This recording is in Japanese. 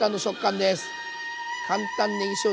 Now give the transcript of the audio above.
簡単ねぎ塩